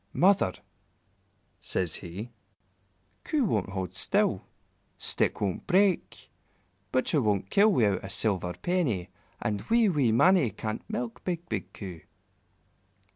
"Mother," says he, "Coo won't hold still, stick won't break, Butcher won't kill without a silver penny, and wee, wee Mannie can't milk big, big Coo."